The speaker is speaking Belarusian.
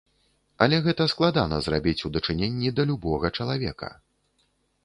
Але гэта складана зрабіць у дачыненні да любога чалавека.